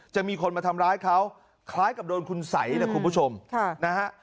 จะมีคนมาทำร้ายเขาคล้ายกับโดนคุณสัยนะคุณผู้ชมค่ะนะฮะ